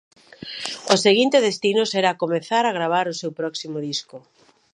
O seguinte destino será comezar a gravar o seu próximo disco.